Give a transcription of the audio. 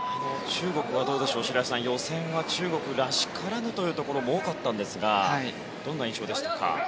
予選は中国らしからぬというところが多かったんですがどんな印象でしたか。